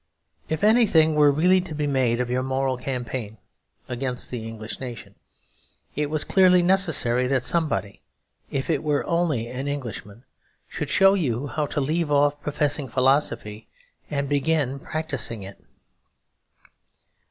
If anything were really to be made of your moral campaign against the English nation, it was clearly necessary that somebody, if it were only an Englishman, should show you how to leave off professing philosophy and begin to practise it.